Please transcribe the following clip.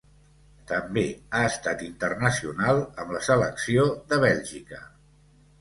També ha estat internacional amb la selecció de Bèlgica.